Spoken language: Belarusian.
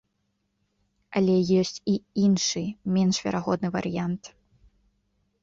Але ёсць і іншы, менш верагодны варыянт.